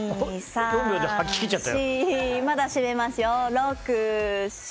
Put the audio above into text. まだ締めますよ。